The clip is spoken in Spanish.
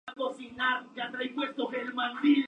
El presbiterio está elevado.